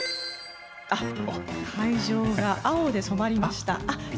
会場が青で染まりました。